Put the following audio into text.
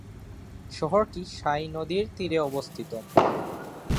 শহরটি "সাই" নদীর তীরে অবস্থিত।